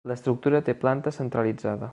L'estructura té planta centralitzada.